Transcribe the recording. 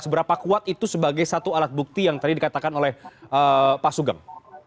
seberapa kuat itu sebagai satu alat bukti yang tadi dikatakan oleh pak sugeng